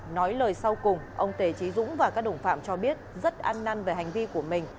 nói lời sau cùng ông tề trí dũng và các đồng phạm cho biết rất ăn năn về hành vi của mình